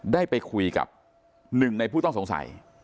ได้ไปคุยกับหนึ่งในผู้ต้องสงสัย